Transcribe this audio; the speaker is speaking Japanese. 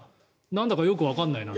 んだかよくわからないなって。